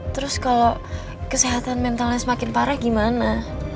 terus kalau kesehatan mentalnya semakin parah gimana